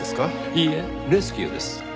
いいえレスキューです。